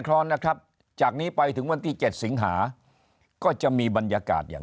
ร้อนนะครับจากนี้ไปถึงวันที่๗สิงหาก็จะมีบรรยากาศอย่าง